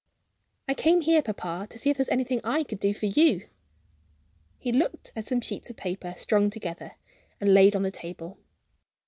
"I came here, papa to see if there was anything I could do for You." He looked at some sheets of paper, strung together, and laid on the table.